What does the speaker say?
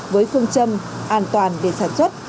với phương châm an toàn để sản xuất